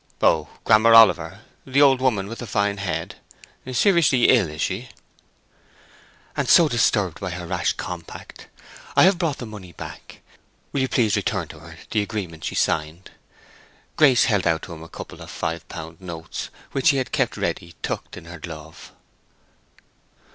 "Oh! Grammer Oliver, the old woman with the fine head. Seriously ill, is she!" "And so disturbed by her rash compact! I have brought the money back—will you please return to her the agreement she signed?" Grace held out to him a couple of five pound notes which she had kept ready tucked in her glove.